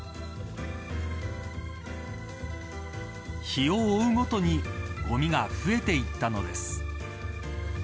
日を追うごとにゴミが増えていったのです。